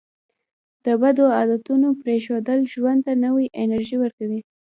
د بدو عادتونو پرېښودل ژوند ته نوې انرژي ورکوي.